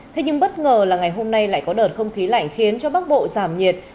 thế nhưng bất ngờ là ngày hôm nay lại có đợt không khí lạnh khiến cho bắc bộ giảm nhiệt